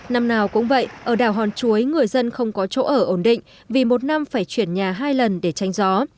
năm nào cũng vậy ở đảo hòn chuối người dân không có chỗ ở ổn định vì một năm phải chuyển nhà hai lần để tranh gió